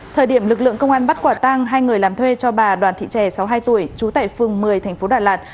thời điểm lực lượng công an bắt quả tang hai người làm thuê cho bà đoàn thị trè sáu mươi hai tuổi trú tại phường một mươi tp đà lạt